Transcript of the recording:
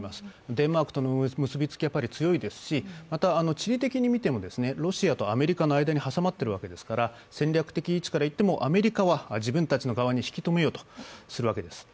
デンマークとの結びつきはやっぱり強いですし、また地理的に見てもロシアとアメリカの間に挟まっているわけですから、戦略的位置からいってもアメリカは自分たちの側に引きとめようとするわけです。